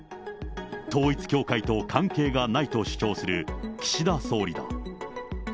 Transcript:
統一教会と関係がないと主張する、岸田総理だ。